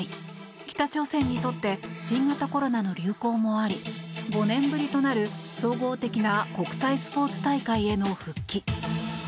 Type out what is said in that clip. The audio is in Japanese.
北朝鮮にとって新型コロナの流行もあり５年ぶりとなる総合的な国際スポーツ大会への復帰。